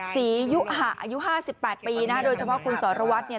ศรียุหะอายุ๕๘ปีนะโดยเฉพาะคุณสรวัตรเนี่ย